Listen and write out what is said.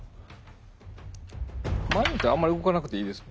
前見てあんまり動かなくていいです。